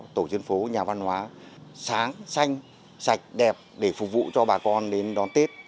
tổ dân phố nhà văn hóa sáng xanh sạch đẹp để phục vụ cho bà con đến đón tết